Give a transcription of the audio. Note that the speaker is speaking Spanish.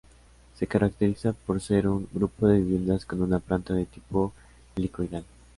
Se caracteriza por ser un grupo de viviendas con una planta de tipo helicoidal.